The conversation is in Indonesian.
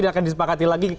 dan akan disepakati lagi